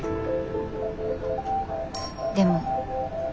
でも。